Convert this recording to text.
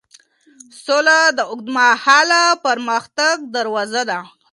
سوله د اوږدمهاله پرمختګ دروازه ده.